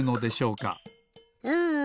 うん。